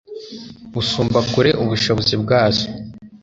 usumba kure ubushobozi bwazo.